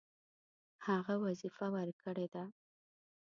هغه وظیفه ورکړې ده.